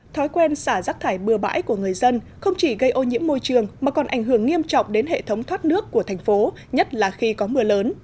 thói quen xả rác thải bừa bãi của người dân không chỉ gây ô nhiễm môi trường mà còn ảnh hưởng nghiêm trọng đến hệ thống thoát nước của thành phố nhất là khi có mưa lớn